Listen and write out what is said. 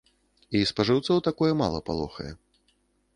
І спажыўцоў такое мала палохае.